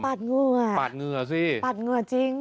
ปัดเงื่อปัดเงื่อจริง